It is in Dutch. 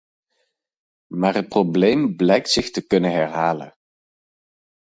Maar het probleem blijkt zich te kunnen herhalen.